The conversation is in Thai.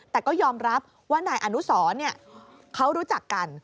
แต่ก็ยอมรับว่านายอนุสรเขารู้จักกัน